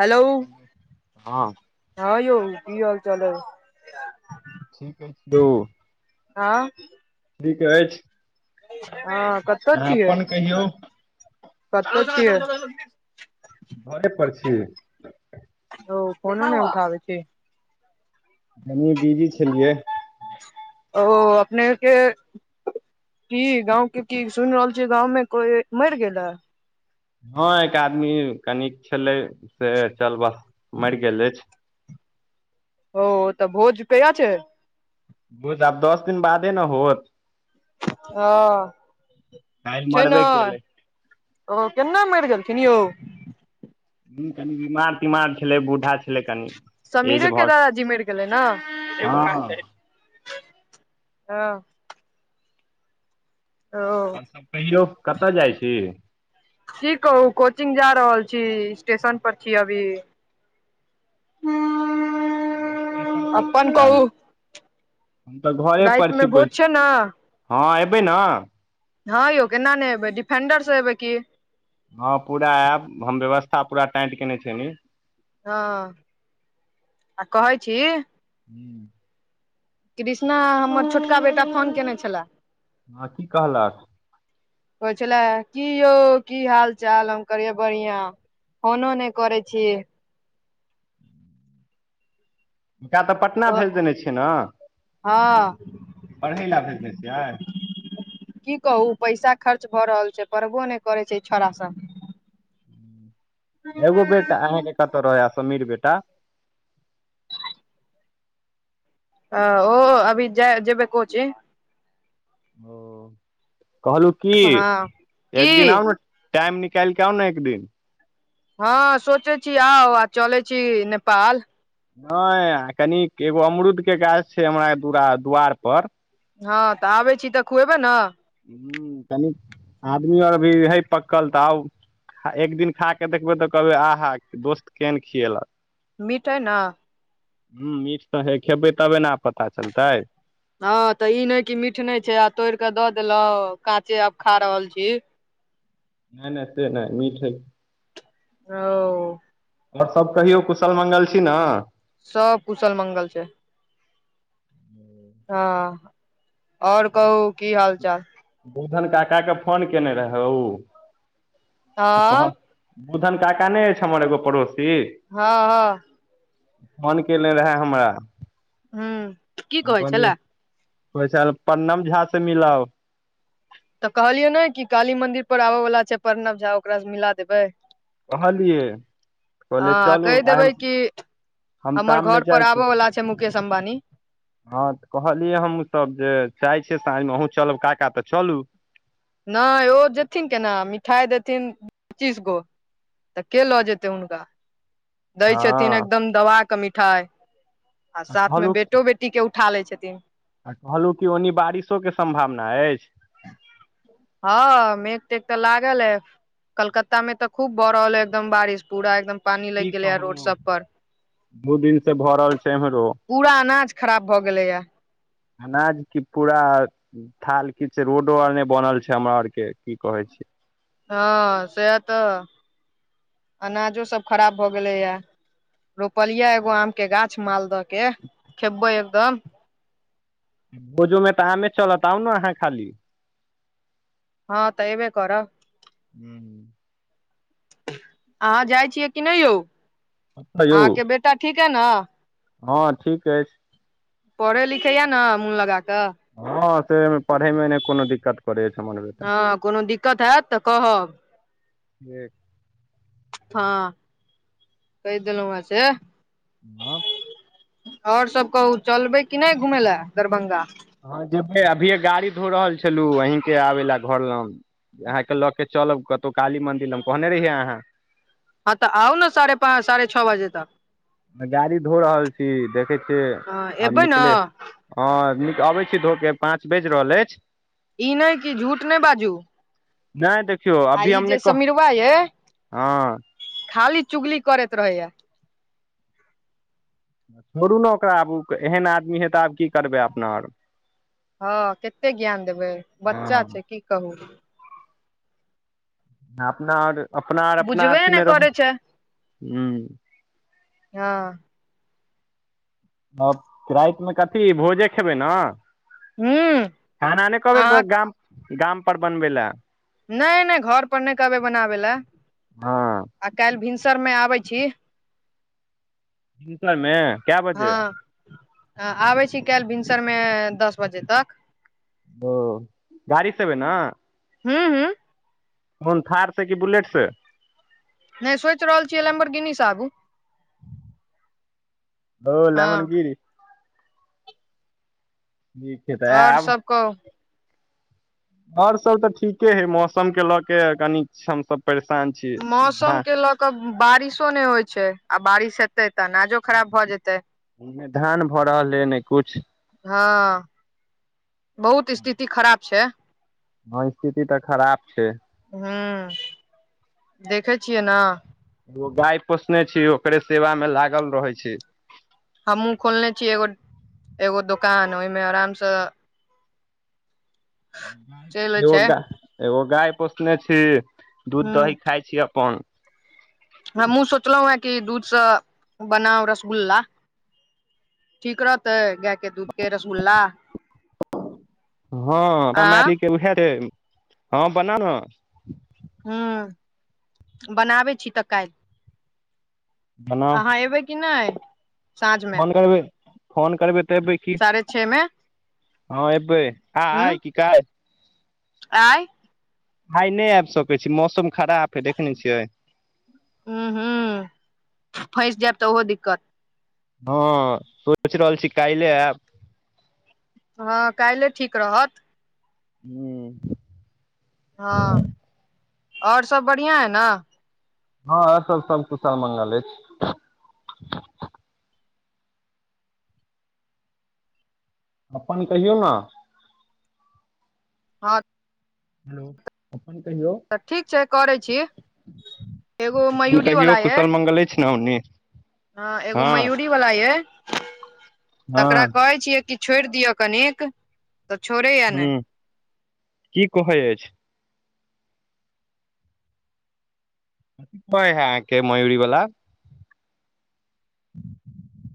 Hello हँ हँ यौ की हाल चाल आई हेलो हँ ठीक अछि हँ कतहु अहाँ छियै अपन कहियौ कतहु छियै घरे पर छी यो फोनो ने उठाबे छै कनी बीजी छलियै ओ अपने के कि गांव के की सुनि रहल छीयै गाउ मे कोई मरि गेल ह हँ एक आदमी कनिक छलै से चल बस मरि गेल अछि ओ तऽ भोज कहीया छै भोज आब दस दिन बादे ने होत ओ काल्हि छै ना मरबे केलै ओ केना मरि गेलथिन यौ ह कनि बीमार तीमार छलै बूढ़ा छलै कनि एज समीरे के भऽ दादा जी मरि गेलै ने हँ आओर ह ओ आओर सब कहियो कतऽ जाइ छी की कहू कोचिंग जा रहल छी स्टेशन पर छी अभी [inaudible] वो स्टेशन पर छी अपन ने कहू हम तऽ घरे पर राति मे छी भोज बइस छै ने हँ अयबै ने हँ यौ केना ने एबै डिफेंडर सँ एबै की हँ पूरा आयब हम व्यवस्था पूरा टाइट कयने छी एनि हँ आ कहै छी हू कृष्णा हमर छोटका बेटा फोन कयने छले हँ की कहलक कहै छले की यौ की हाल चाल हम करिये बढ़िया फनो नहि करै छी हनकरा तऽ पटना भेज देने छियै ने हँ पढ़ै ल भेजने छियै की कहू पैसा खर्च भऽ रहल छै पढ़बो नहि करै छै छौड़ सब एगो बेटा आहा के कतहु रहैय समीर बेटा आ ओ अभी जेबै कोचिंग ओ कहलहुँ की हँ की एक दिन आउ ने टाइम निकाल के आउ ने एक दिन हँ सोचै छी आउ आ चलै छी नेपाल नहि कनि एगो अमरुद के गाछ छै हमरा दरा दु्वार पर हँ तऽ आबै छी तऽ खुएबे ने ह कनी आदमी आर भी हय पकल तऽ आउ एक दिन खा कऽ देखबै तऽ कहबै आहा दोस्त केहन खियलक मिठ अय न ह मीठ तऽ हे खेबै तबे ने पता चलतै हँ तऽ ई नहि कि मीठ नहि छै आ तोड़ क दऽ देलहु काँचे आब खा रहल छी नहि नहि त नहि मिठ है ओ आओर सब कहियौ कुशल मंगल छी ना सब कुशल मंगल छै हँ आओर कहू की हाल चाल बोधन काका के फोन केने रहै उ तऽ कहल हँ बुधन काका नहि अछि हमर एगो पड़ोसी हँ हँ फोन कयने रहए हमरा हँ ह की हम कहै कहलियै छलए कहे छलाए प्रणम झा से मिलाउ तऽ कहलियै ने कि काली मंदिर पर आबय वाला छै प्रणव झा ओकार सँ मिला देबै कहलियए कहले हँ चलू कहि आइ हम देबै कि हम हमर शाममे घर पर जाइ छी आबय वाला छै मुकेश अम्बानी हँ तऽ कहलियै हमूँ सब जे चाह छियै साँझमे अहुँ चलब काका तऽ चलू नहि ओ जेथिन केना मिठाइ देथिन पच्चीस गो तऽ के लऽ जेतै हुनका दै हँ छथिन एकदम दवा के मिठाइ आ साथमे बेटो बेटी के उठा लै छथिन आ कहलहुँ कि ओन्नी बारिशो के सम्भावना अछि हँ मेघ तेघ तऽ लागल य कलकत्ता मे तऽ खूब भऽ रहल है एकदम बारिश पूरा एकदम पानी लागि की गेलैए रोड कहू सब पर दु दिन से भ रहल छै एमहरो पूरा अनाज खराब भए गेलेया अनाज की पूरा थाल किछ रोडो आर नहि बनल छै हमरा आर के की कहै छी हँ सेह तऽ अनाजो सब खराब भऽ गेलैए रोपलियए एगो आम के गाछ मालदह के खेबै एकदम भोजोमे तऽ अमे चलत आउ ने अहाँ खाली हँ तऽ एबे करब हू [inaudible] अहाँ जाइ छियै कि नहि यौ यौ अहाँके बेटा ठीक है ने हँ ठीक अछि पढ़ै लिखैए ने मोन लगा कऽ हँ से पढ़ैमे एने कोनो दिक्कत करै छै हमर बेटा हँ कोनो दिक्कत हैत तऽ कहब ह [inaudible] हँ कहि देलहुँआसे आँ [inaudible] आओर सब कहू चलबै कि नहि घुमय लए दरभंगा हँ जेबै अभिये गाड़ी धो रहल छलु अहींके आबे लए घर लंग अहाँके लऽ के चलब कतहु काली मंदिर हम कहने रहियै अहाँ हँ तऽ आउ ने साढ़े पाँच साढ़े छओ बजे तक गाड़ी धो रहल छी देखै छियै हँ आब एबै ने निकले हँ नीक अबै छी धोक के पाँच बाजि रहल अछि ई नहि की झूठ नहि बाजू नहि देखियौ आ अभी ई हम जे नहि कहब समिरवा ये हँ खाली चुगली करैत रहे या छोड़ू ने ओकरा आबू एहन आदमी हे तऽ आब की करबै अपना आर हँ कते ज्ञान देबै बच्चा हँ छै की कहू अपना आर अपना आर अपना बुझबे अथी नहि मे रहू करै छै हूँ हँ आ रातिमे कथी भोजे खेबै न हूं खाना नहि कहबै अहाँ गाम गाम पर बनबै लै नहि नहि घर पर नहि कहबे बनाबे लए हँ आ काल्हि भिनसर मे आबै छी भींसरमे कए हँ बजे आबै छी काल्हि भिनसरमे - दस बजे तक ओ गाड़ी सअबै ने हुँ हुँ कोन थार से कि बुलेट से नहि सोचि रहल छियै लेम्बरगिनी सँ आबू। ओ हँ लमन गिरी। छैय तऽ और आयब। सब कहु आओर सब तऽ ठीके हइ मौसमके लऽ क कनि हमसब परेशान छी। मौसम के लऽ क बारिशो नहि होइ छैय आ बारिश हेतय तऽ अनाजो खराब भए जेतै। नय धान भऽ रहल है नहि किछु। हँ बहुत स्थिति खराब छैय। हँ स्थिति तऽ खराब छैय। हू देखै छियै ने। एगो गाय पोसने छी ओकरे सेवा में लागल रहय छी। हमहु खोलने छीयै एगो एगो दुोकान ओहिमे आराम स [inaudible] चलि एगो छै गा एगो गाय पोसने छी दूध हूँ दही खााय छी अपन। हमहु सोचलहुं हेँ कि दूधसँ बनाउ रसगुल्ला। ठीक रहतै गायके दूधके रसगुल्ला? हँ [unintelligible] आ उएह र बना ने हू बनाबै छी तऽ काल्हि। बनाउ अहाँ अयबै कि नहि? साँझ मे फोन करबै फोन करबै तऽ एबै की साढ़े छे मे हँ एबै। आय की काइलह? आ आइ नहि आबि सकैत छी मौसम खराब हय देखय नै छियै। हु हू फँसि जायब तऽ ओहो दिक्कत। हँ सोचि रहल छी कायले आयब। हँ कायले ठीक रहत। हू हु हँ आओर सब बढ़िआं है ने? हँ अर सब सब कुशाल मंगल अछि। अपन कहियौ ने। हँ हेलो अपनन कहियौ। तऽ ठीक छै करै छी एगो मयूरी कहियौ कुशल मंगल अछि ने ओनी? ह एगो मयूरी वाला ये तकरा हँ कहे छियै कि छोड़ि दियव्व कनेक तऽ छोड़े हुँ की कहै अछि? प हाइ मयूरी वाला?